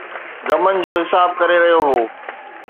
غمن جو حساب ڪري رهيو هو